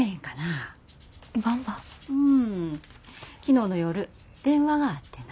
うん昨日の夜電話があってな。